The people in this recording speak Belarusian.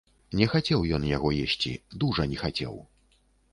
Не хацеў ён яго есці, дужа не хацеў.